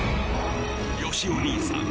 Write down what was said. よしお兄さん